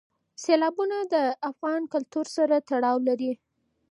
سیلابونه د افغان کلتور سره تړاو لري.